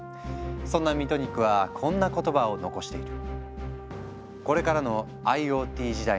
そんなミトニックはこんな言葉を残している。